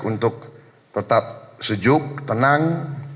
untuk tetap sejuk tenang